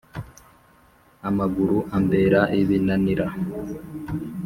Amaguru ambera ibinanira.